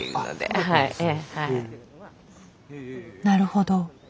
なるほど。